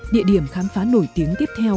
địa điểm khám phá nổi tiếng tiếp theo